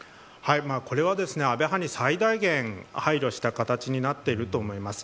これは安倍派に最大限配慮した形になっていると思います。